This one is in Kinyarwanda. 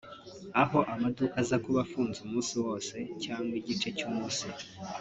aho amaduka aza kuba afunze umusi wose cyangwa igice cy’umunsi